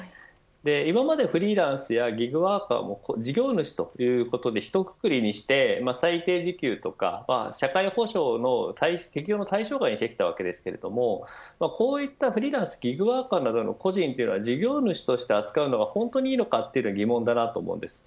今までフリーランスやギグワーカーも事業主というところでひとくくりにして最低時給とか社会保障の適用の対象外にしてきたわけですがこういったフリーランスやギグワーカーなどを事業主として扱うのが本当にいいのかというのが疑問です。